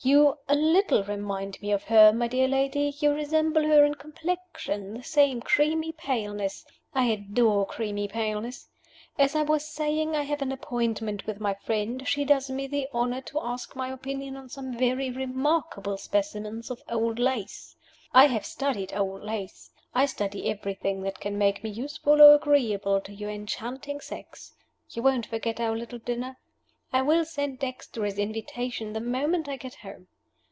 You a little remind me of her, my dear lady you resemble her in complexion: the same creamy paleness. I adore creamy paleness. As I was saying, I have an appointment with my friend; she does me the honor to ask my opinion on some very remarkable specimens of old lace. I have studied old lace. I study everything that can make me useful or agreeable to your enchanting sex. You won't forget our little dinner? I will send Dexter his invitation the moment I get home."